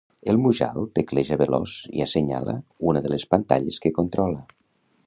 El Mujal tecleja veloç i assenyala una de les pantalles que controla.